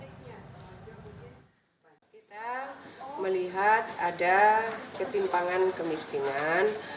kita melihat ada ketimpangan kemiskinan